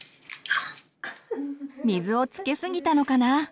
水をつけすぎたのかな。